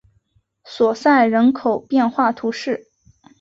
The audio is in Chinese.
索赛人口变化图示